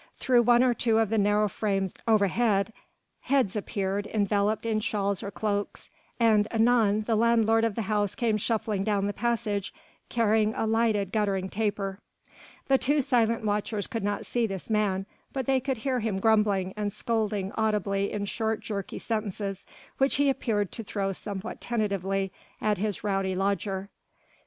Through one or two of the narrow frames overhead heads appeared enveloped in shawls or cloaks, and anon the landlord of the house came shuffling down the passage, carrying a lighted, guttering taper. The two silent watchers could not see this man, but they could hear him grumbling and scolding audibly in short jerky sentences which he appeared to throw somewhat tentatively at his rowdy lodger.